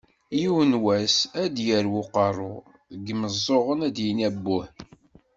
"Yiwen wass ad d-yarew uqerru, seg yimeẓẓuɣen ad d-yini abbuh.